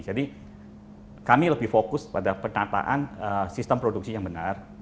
jadi kami lebih fokus pada penataan sistem produksi yang benar